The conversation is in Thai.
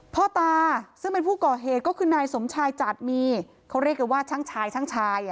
พ่อตาซึ่งเป็นผู้ก่อเหตุก็คือนายสมชายจัดมีเขาเรียกกันว่าช่างชายช่างชาย